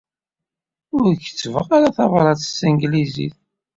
Ur kettbeɣ ara tabṛat s tanglizit.